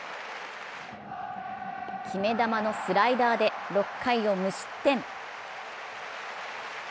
決め球のスライダーで６回を無失点。